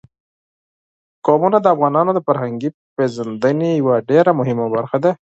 قومونه د افغانانو د فرهنګي پیژندنې یوه ډېره مهمه برخه ده.